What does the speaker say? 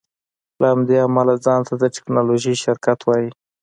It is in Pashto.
له همدې امله ځان ته د ټیکنالوژۍ شرکت وایې